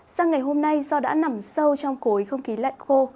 sang ngày hôm nay do đã nằm sâu trong khối không khí lạnh khô